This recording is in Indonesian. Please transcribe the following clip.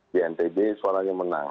di ntb suaranya menang